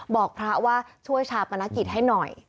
บอกพระว่าช่วยชาปนกิจให้หน่อย